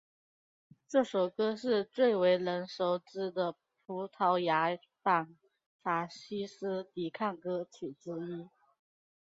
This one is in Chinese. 这首歌是最为人熟知的葡萄牙反法西斯抵抗歌曲之一。